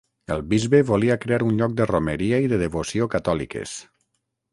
El bisbe volia crear un lloc de romeria i de devoció catòliques.